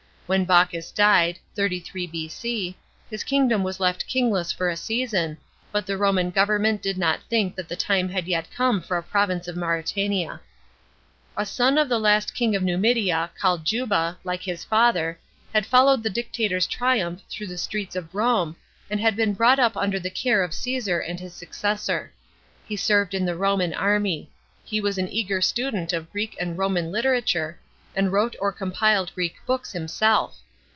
When Bocchus died (33 B.C.), his kingdom was left kingless for a season, but the Roman government did not think that the time had yet come for a province of Mauretania. 90 PROVINCIAL ADMINISTBATION. CHAP, A son of the last king of Numidia, named Juba, like his father, had followed the dictator's triumph through the streets of Borne, and had been brought up under the care of Csesar and his successor. He served in the Roman army ; he was an eager student of Greek and Roman literature, and wrote or compiled Greek books himself.